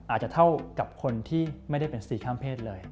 อาจจะเท่ากับคนที่ไม่ได้เป็นสีข้ามเพศเลย